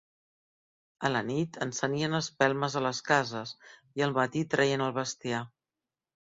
A la nit encenien espelmes a les cases, i al matí treien el bestiar.